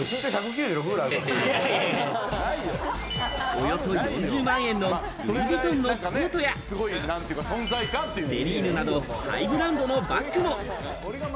およそ４０万円のルイ・ヴィトンのコートやセリーヌなど、ハイブランドのバッグも。